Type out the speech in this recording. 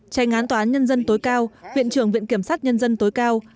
tranh án tòa án nhân dân tối cao viện trưởng viện kiểm sát nhân dân tối cao